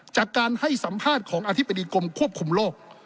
จากการให้สัมภาษณ์ของอธิบดีกรมควบคุมโรค